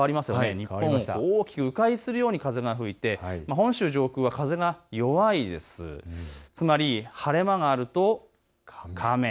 日本も大きくう回するように風が吹いて本州上空は風が弱いつまり晴れ間があるとカメ。